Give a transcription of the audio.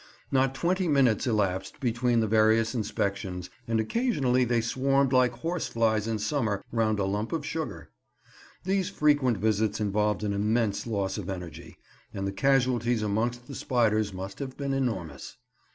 Not twenty minutes elapsed between the various inspections, and occasionally they swarmed like horse flies in summer round a lump of sugar. These frequent visits involved an immense loss of energy, and the casualties amongst the spiders must have been enormous.